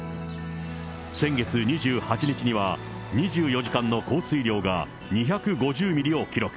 先月２８日には、２４時間の降水量が２５０ミリを記録。